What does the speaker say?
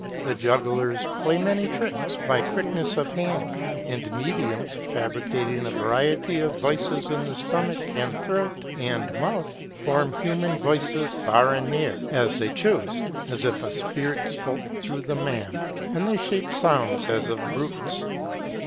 For jugglers play many tricks by quickness of hand; and "mediums," fabricating a variety of voices in the stomach and throat and mouth, form human voices far and near, as they choose, as if a spirit spoke through the man ; and they shape sounds as of brutes.